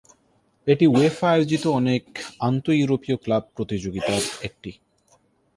এটি উয়েফা আয়োজিত অনেক আন্ত-ইউরোপীয় ক্লাব প্রতিযোগিতার একটি।